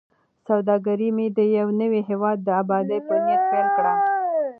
سوداګري مې د یوه نوي هیواد د ابادۍ په نیت پیل کړه.